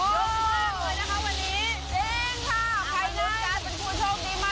สุดท้ายค่ะสุดท้ายค่ะสุดท้ายค่ะ